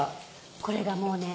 これがもうね